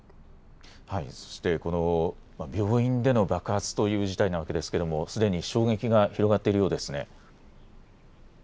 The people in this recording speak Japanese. そしてこの病院での爆発という事態なわけですけれども、すでに衝撃が広がっているようですね。